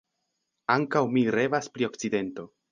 Ankaŭ mi revas pri Okcidento.